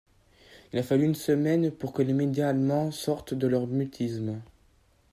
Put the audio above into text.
Il a fallu une semaine pour que les médias allemands sortent de leur mutisme.